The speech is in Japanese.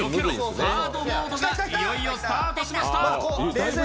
ハードモードがいよいよスタートしました。